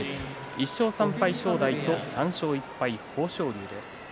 １勝３敗、正代と３勝１敗、豊昇龍です。